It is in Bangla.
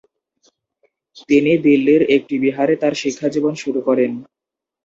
তিনি দিল্লির একটি বিহারে তার শিক্ষাজীবন শুরু করেন।